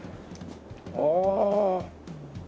ああ。